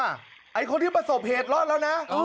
ไอ้คนที่ประสบเหตุรอดแล้วนะ